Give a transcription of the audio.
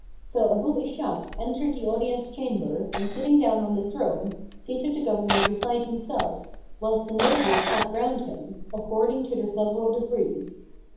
So Abu Ishak entered the audience chamber and sitting down on the throne, seated the governor beside himself, whilst the notables sat round him, according to their several degrees.